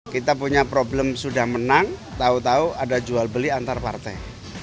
kita punya problem sudah menang tahu tahu ada jual beli antar partai